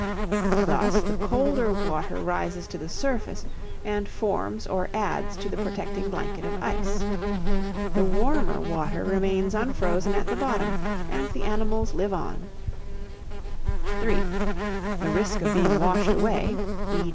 Thus the colder water rises to the surface and forms or adds to the protecting blanket of ice. The warmer water remains unfrozen at the bottom, and the animals live on. (3) The risk of being washed away, e.